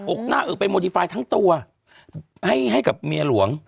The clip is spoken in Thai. ออกหน้าไปโมดิไฟล์ทั้งตัวให้กับเมียหลวง